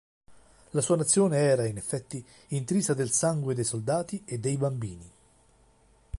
La sua nazione era in effetti intrisa del sangue, dei soldati e dei bambini.